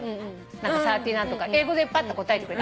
何かサーティー何とか英語でパッと答えてくれて。